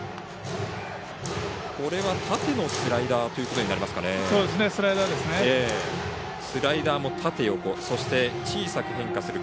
これは縦のスライダーということになりますかね。